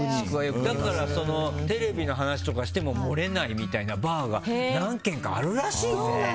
だから、テレビの話とかしても漏れないみたいなバーが何軒かあるらしいぜ。